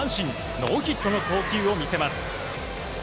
ノーヒットの投球を見せます。